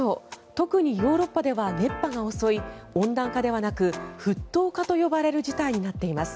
特にヨーロッパでは熱波が襲い温暖化ではなく沸騰化と呼ばれる事態になっています。